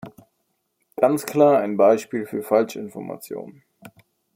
Ganz klar ein Beispiel für Falschinformation.